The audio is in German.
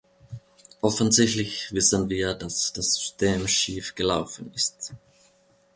Offensichtlich wissen wir, dass das System schief gelaufen ist.